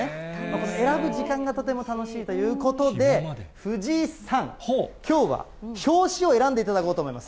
この選ぶ時間がとても楽しいということで、藤井さん、きょうは表紙を選んでいただこうと思います。